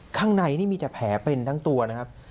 ข้างในนี่มีแต่แผลเป็นทั้งตัวนะครับ